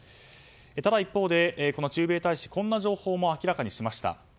ただ一方で駐米大使こんな情報も明らかにしました。